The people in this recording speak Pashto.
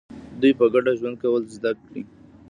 دوی په ګډه ژوند کول زده کړي.